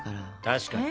確かに。